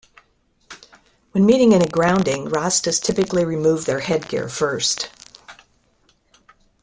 When meeting in a grounding, Rastas typically remove their head gear first.